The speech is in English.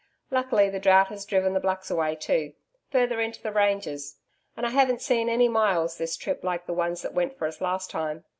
Luckily, the drought has driven the Blacks away too, further into the ranges; and I haven't seen any Myalls this trip like the ones that went for us last time.